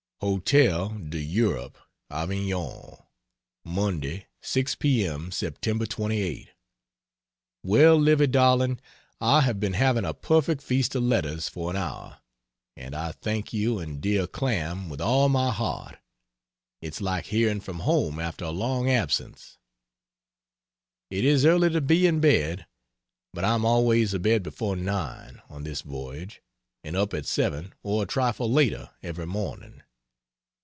HOTEL D'EUROPE, AVIGNON, Monday, 6 p.m., Sept. 28. Well, Livy darling, I have been having a perfect feast of letters for an hour, and I thank you and dear Clam with all my heart. It's like hearing from home after a long absence. It is early to be in bed, but I'm always abed before 9, on this voyage; and up at 7 or a trifle later, every morning.